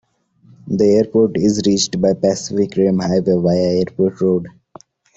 The airport is reached by Pacific Rim Highway via Airport Road.